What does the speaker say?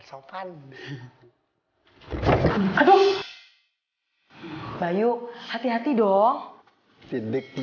aduh bayu hati hati dong